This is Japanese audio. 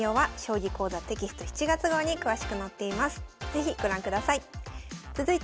是非ご覧ください。